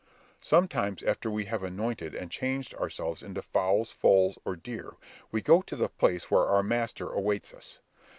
Sometimes after we have anointed and changed ourselves into fowls, foals, or deer, we go to the place where our master awaits us.